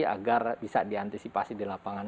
agar bisa diantisipasi di lapangan